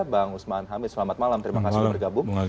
bang usman hamid selamat malam terima kasih sudah bergabung